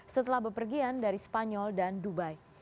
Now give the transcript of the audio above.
setelah bepergian dari spanyol dan dubai